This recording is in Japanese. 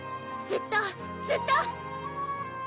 ずっとずっと！